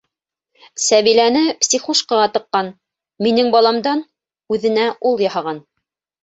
Сәбиләне психушкаға тыҡҡан, минең баламдан... үҙенә ул яһаған!